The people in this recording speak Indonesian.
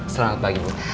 selamat pagi bu